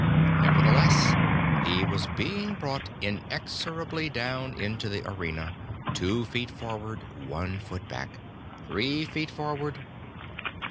Nevertheless he was being brought inexorably down into the arena, two feet forward, one foot back, three feet forward....